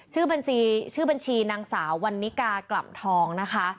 ชื่อบัญชีชื่อบัญชีนางสาววันนิกากล่ำทองนะคะ